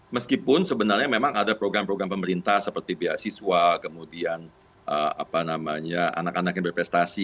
meskipun sebenarnya memang ada program program pemerintah seperti beasiswa kemudian anak anak yang berprestasi